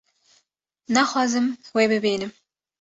naxwazim wê bibînim